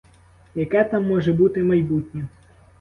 Яке там може бути майбутнє!